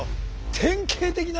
典型的な。